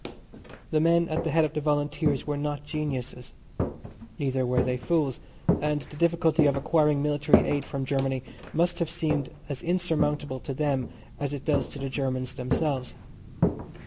The men at the head of the Volunteers were not geniuses, neither were they fools, and the difficulty of acquiring military aid from Germany must have seemed as insurmountable to them as it does to the Germans themselves.